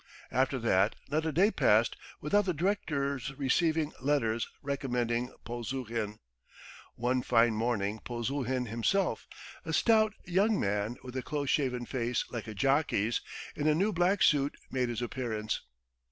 After that, not a day passed without the director's receiving letters recommending Polzuhin. One fine morning Polzuhin himself, a stout young man with a close shaven face like a jockey's, in a new black suit, made his appearance.